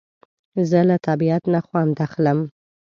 زه له طبیعت نه خوند اخلم